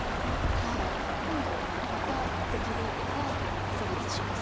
今度また出切りが成立します。